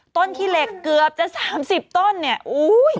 ต้นขี้เหล็กเกือบจะ๓๐ต้นอุ๊ย